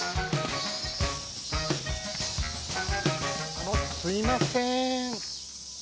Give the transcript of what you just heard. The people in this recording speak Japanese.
あのすみません。